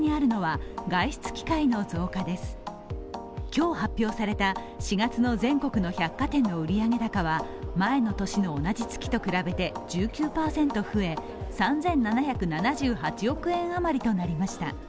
今日発表された４月の全国の百貨店の売上高は前の年の同じ月と比べて１９％増え３７７８億円あまりとなりました。